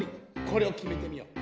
これを決めてみよう。